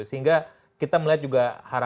sehingga kita melihat juga